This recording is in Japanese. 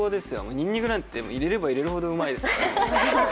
にんにくなんて入れれば入れるほどうまいですからね。